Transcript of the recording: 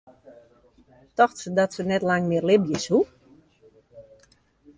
Tocht se dat se net lang mear libje soe?